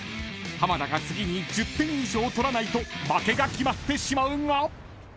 ［浜田が次に１０点以上取らないと負けが決まってしまうが］